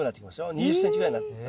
２０ｃｍぐらいになってきますね。